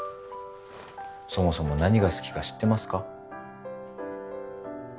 そもそも何が好きか知ってますか？